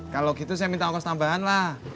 kalau gitu saya minta ongkos tambahan lah